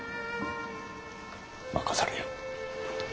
任されよ。